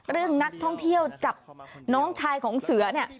เรื่องนักท่องเที่ยวจับน้องชายของเสือเนี่ย